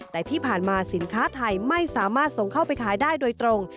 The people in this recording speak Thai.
แต่ที่ผ่านมาสินค้าไทยไม่สามารถส่งเข้าไปขายได้โดยตรง